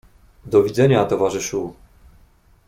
"Do widzenia, towarzyszu!"